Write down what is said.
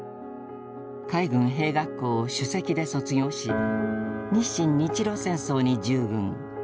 海軍兵学校を首席で卒業し日清・日露戦争に従軍。